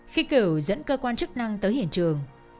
khi cửu dẫn cơ quan chức năng tới hiện trường